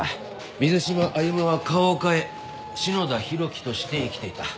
水島歩は顔を変え篠田浩輝として生きていた。